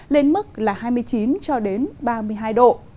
lên mức là hai mươi chín ba mươi hai độ